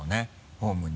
ホームに。